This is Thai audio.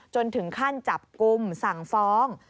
จนถึงขั้นจับกลุ่มสั่งฟ้อง